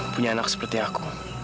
punya anak seperti aku